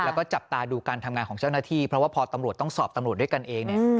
แล้วก็จับตาดูการทำงานของเจ้าหน้าที่เพราะว่าพอตำรวจต้องสอบตำรวจด้วยกันเองเนี่ย